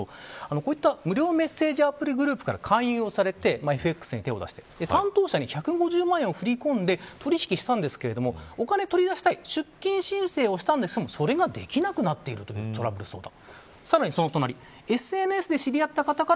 こういった無料メッセージアプリグループから勧誘されてＦＸに手を出して担当者に１５０万円を振り込んで取引したんですけどお金取り出したい出金申請をしたんですがそれができなくなっているというトラブル相談。